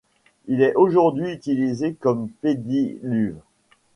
Il est aujourd'hui utilisé comme pédiluve.